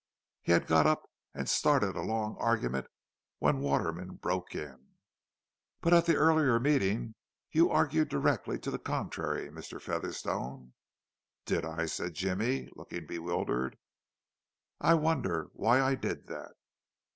He had got up and started a long argument, when Waterman broke in, 'But at the earlier meeting you argued directly to the contrary, Mr. Featherstone!' 'Did I?' said Jimmie, looking bewildered. 'I wonder why I did that?